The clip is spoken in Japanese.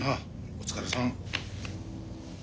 お疲れさん。